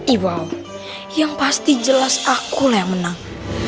iwaw yang pasti jelas aku yang menang